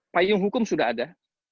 payung hukum sudah ada